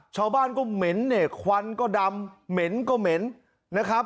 ชาวบ้านก็เหม็นเนี่ยควันก็ดำเหม็นก็เหม็นนะครับ